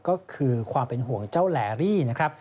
ก็คือความเป็นห่วงเจ้าแหลรี่นะครับ